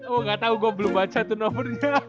oh gatau gue belum baca turnover nya